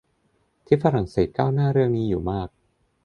ที่ฝรั่งเศสก้าวหน้าเรื่องนี้อยู่มาก